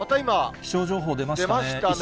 気象情報出ましたね。